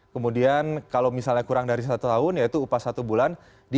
kemudian kalau misalnya kurang dari satu tahun yaitu upah satu bulan